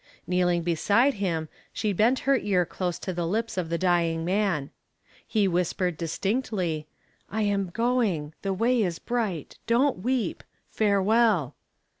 Kneeling beside him, she bent her ear close to the lips of the dying man. He whispered distinctly, "I am going the way is bright, don't weep farewell!"